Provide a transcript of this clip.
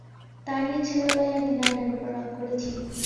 তা নিয়ে ছেলেবেলায় একদিন আয়নার উপর রাগ করেছি।